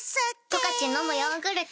「十勝のむヨーグルト」